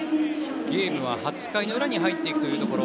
ゲームは８回の裏に入っていくところ。